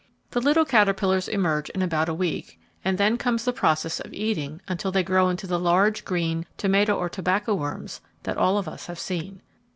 The little caterpillars emerge in about a week, and then comes the process of eating until they grow into the large, green tomato or tobacco worms that all of us have seen.